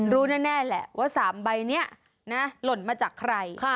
รู้แน่แหละว่า๓ใบนี้หล่นมาจากใคร